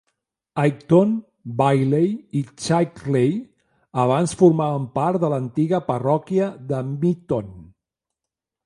Aighton, Bailey i Chaigley abans formaven part de l'antiga parròquia de Mitton.